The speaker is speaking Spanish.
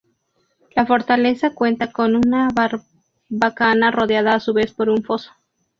La fortaleza cuenta con una barbacana rodeada a su vez por un foso.